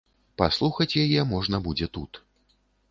Паслухаць яе можна будзе тут.